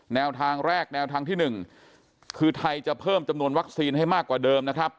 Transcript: แนวทางแรกแนวทางที่๑คือไทยจะเพิ่มจำนวนวัคซีนให้มากกว่าเดิมนะครับ